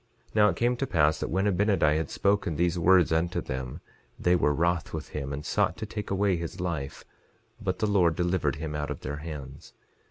11:26 Now it came to pass that when Abinadi had spoken these words unto them they were wroth with him, and sought to take away his life; but the Lord delivered him out of their hands.